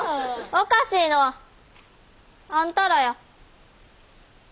おかしいのはあんたらや。